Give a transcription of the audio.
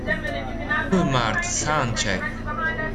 Walmart Soundcheck